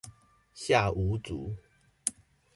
下五組